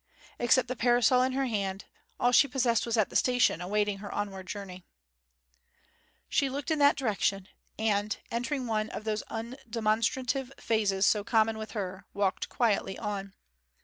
Except the parasol in her hand, all she possessed was at the station awaiting her onward journey. She looked in that direction; and, entering one of those undemonstrative phases so common with her, walked quietly on.